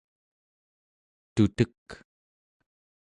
tutek